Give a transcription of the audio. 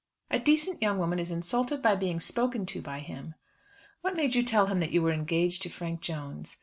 A decent young woman is insulted by being spoken to by him." "What made you tell him that you were engaged to Frank Jones?"